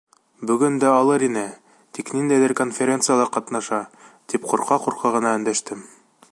Бөгөн дә алыр ине, тик ниндәйҙер конференцияла ҡатнаша. — тип ҡурҡа-ҡурҡа ғына өндәштем.